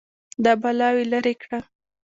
دا بلاوې لرې کړه